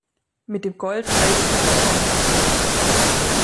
Mit dem Gold reitet er davon.